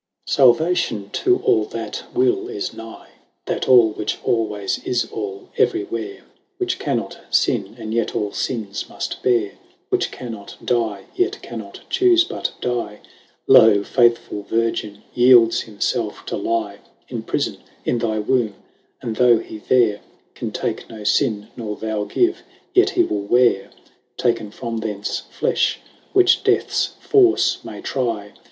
2. Salvation to all that will is nigh; That All, which alwayes is All every where, Which cannot finne, and yet all finnes muft beare, Which cannot die, yet cannot chufe but die, Loe, faithfull Virgin, yeelds himfelfe to lye 5 In prifon, in thy wombe ; and though he there Can take no finne, nor thou give, yet he'will weare Taken from thence, flem, which deaths force may trie.